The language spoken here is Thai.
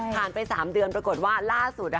ไป๓เดือนปรากฏว่าล่าสุด